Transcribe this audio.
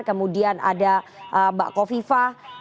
kemudian ada mbak kofifa